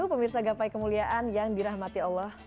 pemirsa gapai kemuliaan yang dirahmati allah